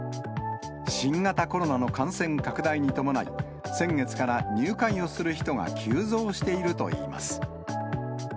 新型コロナの感染拡大に伴い、先月から入会をする人が急増しているといいます。